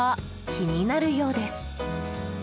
気になるようです。